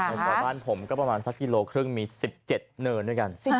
ชาวบ้านผมก็ประมาณสักกิโลครึ่งมี๑๗เนินด้วยกัน